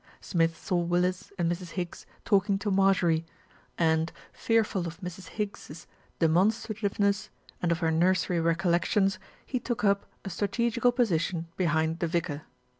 Smith saw Willis and Mrs. Higgs talking to Mar jorie, and, fearful of Mrs. Higgs's demonstrativeness, and of her nursery recollections, he took up a strategical position behind the vicar.